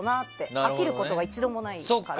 飽きることは一度もないから。